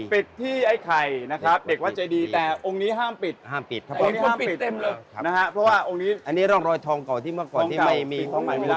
ปิดที่ไอ้ไข่เด็กวัดจีดีแต่องค์นี้ห้ามปิด